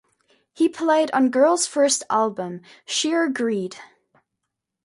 He played on Girl's first album "Sheer Greed".